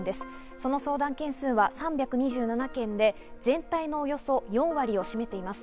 その相談件数は３２７件で全体のおよそ４割を占めています。